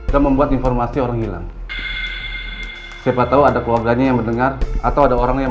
dan membuat informasi orang hilang siapa tahu ada keluarganya yang mendengar atau ada orang yang